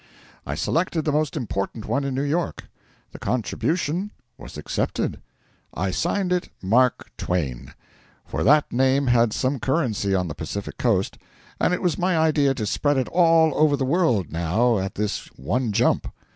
I selected the most important one in New York. The contribution was accepted. I signed it 'MARK TWAIN;' for that name had some currency on the Pacific coast, and it was my idea to spread it all over the world, now, at this one jump.